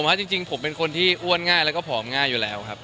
๒๐๑๕ไม่โหมครับจริงผมเป็นคนอง่ายแล้วก็ผอมง่ายอยู่แล้วครับ